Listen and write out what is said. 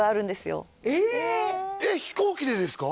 えっ飛行機でですか？